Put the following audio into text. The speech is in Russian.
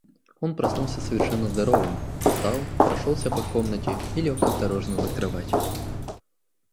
Он проснулся совершенно здоровым, встал, прошелся по комнате и лег осторожно на кровать.